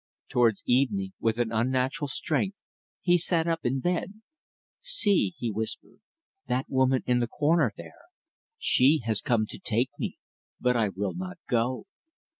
Towards evening, with an unnatural strength, he sat up in bed. "See," he whispered, "that woman in the corner there. She has come to take me, but I will not go."